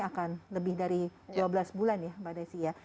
akan lebih dari dua belas bulan ya mbak desi ya